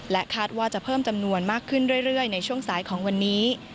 คาดว่าจะเพิ่มจำนวนมากขึ้นเรื่อยในช่วงสายของวันนี้